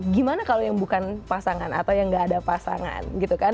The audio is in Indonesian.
gimana kalau yang bukan pasangan atau yang gak ada pasangan gitu kan